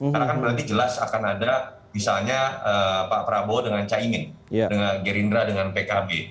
karena kan berarti jelas akan ada misalnya pak prabowo dengan caimin dengan gerindra dengan pkb